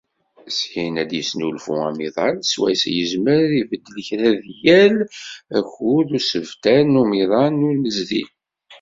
Syin ad d-yesnulfu amiḍan swayes yezmer ad ibeddel kra di yal akud, deg usebter n umiḍan n unnezdi.